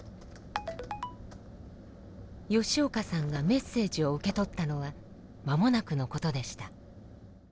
吉岡さんがメッセージを受け取ったのは間もなくのことでした。